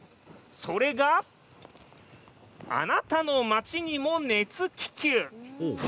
それがあなたの町にも熱気球！